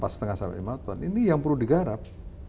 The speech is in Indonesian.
lima lima sampai lima ton ini yang perlu digarap